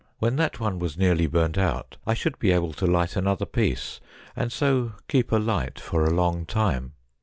When that one was nearly burnt out I should be able to light another piece, and so keep a light for a long time.